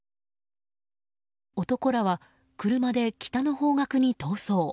男らは、車で北の方角に逃走。